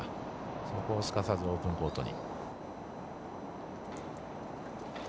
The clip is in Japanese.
そこをすかさずオープンコートに。